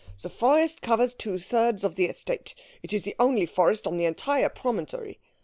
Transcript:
The forest covers two thirds of the estate. It is the only forest on the entire promontory.